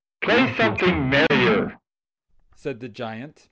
"Play something merrier!" said the Giant.